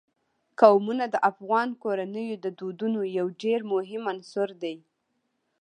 قومونه د افغان کورنیو د دودونو یو ډېر مهم عنصر دی.